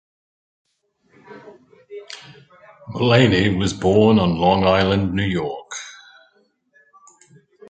Mullaney was born on Long Island, New York.